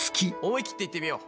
思い切っていってみよう。